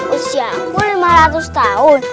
usia aku lima ratus tahun